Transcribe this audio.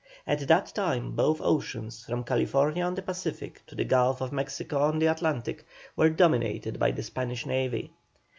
At that time both oceans, from California on the Pacific to the Gulf of Mexico on the Atlantic, were dominated by the Spanish navy.